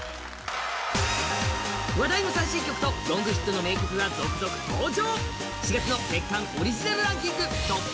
話題の最新曲とロングヒットの名曲が続々登場。